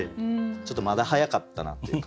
ちょっとまだ早かったなっていうか。